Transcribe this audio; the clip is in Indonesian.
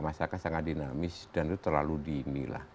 masyarakat sangat dinamis dan itu terlalu dini lah